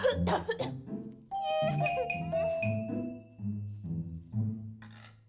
kek kek kek